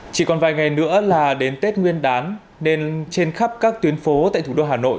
chỉ còn vài ngày nữa là đến tết nguyên đán nên trên khắp các tuyến phố tại thủ đô hà nội